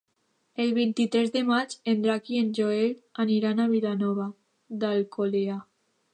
El vint-i-tres de maig en Drac i en Joel aniran a Vilanova d'Alcolea.